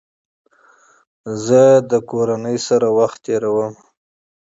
زه له کورنۍ سره وخت تېرووم.